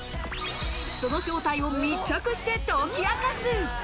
その正体を密着して解き明かす。